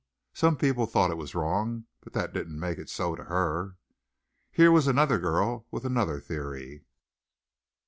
Some people thought it was wrong, but that didn't make it so to her." Here was another girl with another theory.